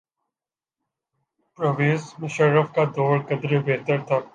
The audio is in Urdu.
پرویز مشرف کا دور قدرے بہتر تھا۔